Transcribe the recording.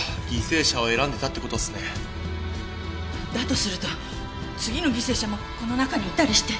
だとすると次の犠牲者もこの中にいたりして。